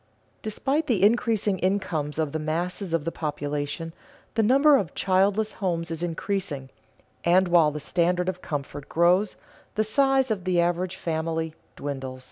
Despite the increasing incomes of the masses of the population, the number of childless homes is increasing, and while the standard of comfort grows, the size of the average family dwindles.